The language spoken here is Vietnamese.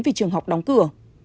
vì trường học đóng cửa